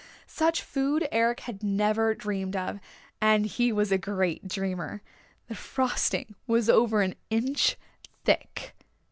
Such food Eric had never dreamed of, and he was a great dreamer! The frosting was over an inch thick.